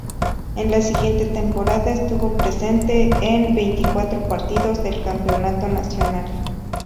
En la siguiente temporada estuvo presente en veinticuatro partidos del campeonato nacional.